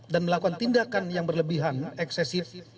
dan melakukan tindakan yang berlebihan eksesif